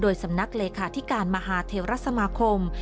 สำนักเลขาธิการมหาเทวรัฐสมาคม